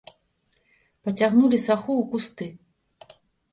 Пацягнулі саху ў кусты.